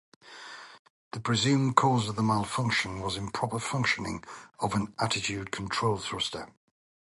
The presumed cause of the malfunction was improper functioning of an attitude control thruster.